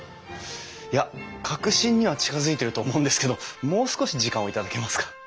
いや核心には近づいていると思うんですけどもう少し時間を頂けますか。